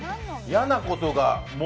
嫌なこと。